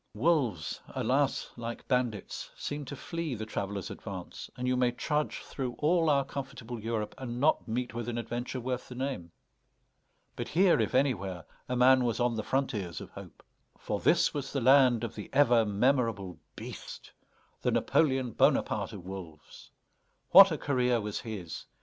Wolves, alas! like bandits, seem to flee the traveler's advance, and you may trudge through all our comfortable Europe and not meet with an adventure worth the name. But here, if anywhere, a man was on the frontiers of hope. For this was the land of the ever memorable BEAST, the Napoléon Bonaparte of wolves. What a career was his!